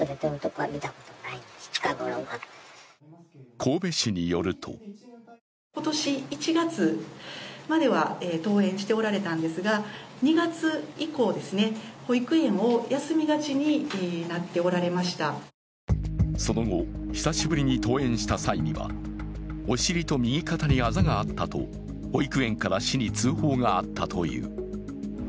神戸市によるとその後、久しぶりに登園した際には、お尻と右肩にあざがあったと保育園から市に通報があったという。